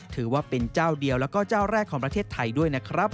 ถือว่าเป็นเจ้าเดียวแล้วก็เจ้าแรกของประเทศไทยด้วยนะครับ